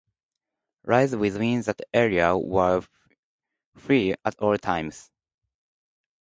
Rides within that area were free at all times.